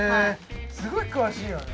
すごい詳しいよね